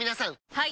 はい！